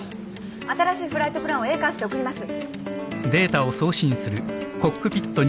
新しいフライトプランをエーカースで送ります。